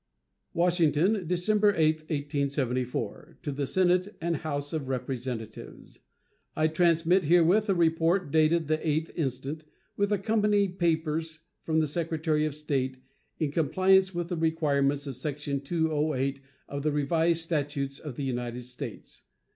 WASHINGTON, December 8, 1874. To the Senate and House of Representatives: I transmit herewith a report, dated the 8th instant, with accompanying papers, from the Secretary of State, in compliance with the requirements of section 208 of the Revised Statutes of the United States.